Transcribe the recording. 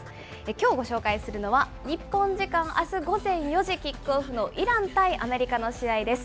きょうご紹介するのは、日本時間あす午前４時キックオフのイラン対アメリカの試合です。